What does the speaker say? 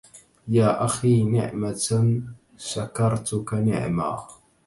يا أخي نعمة شكرتك نعمى